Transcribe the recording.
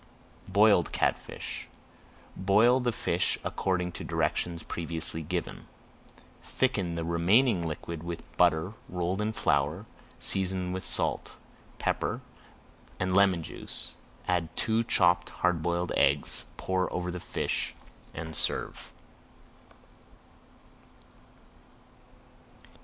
BOILED CATFISH Boil the fish according to directions previously given. Thicken the remaining liquid with butter rolled in flour, season with salt, pepper, and lemon juice, add two chopped hard boiled eggs, pour over the fish, and serve.